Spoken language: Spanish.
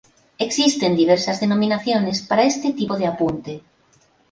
Existen diversas denominaciones para este tipo de apunte.